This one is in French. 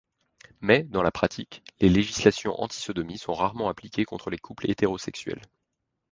Mais, dans la pratique, les législations anti-sodomie sont rarement appliquées contre les couples hétérosexuels.